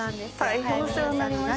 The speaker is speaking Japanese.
大変お世話になりました。